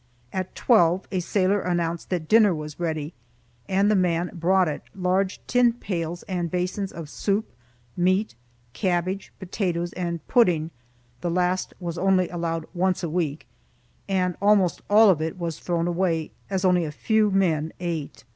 At twelve, a sailor announced that dinner was ready, and the man brought it large tin pails and basins of soup, meat, cabbage, potatoes, and pudding (the last was allowed only once a week); and almost all of it was thrown away, as only a few men ate.